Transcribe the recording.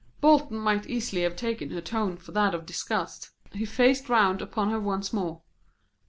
Bolton might easily have taken her tone for that of disgust. He faced round upon her once more.